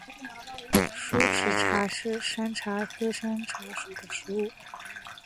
疏齿茶是山茶科山茶属的植物。